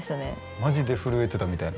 マジで震えてたみたいな